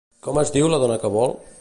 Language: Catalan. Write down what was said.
Com es diu la dona que vol?